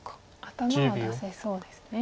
頭は出せそうですね。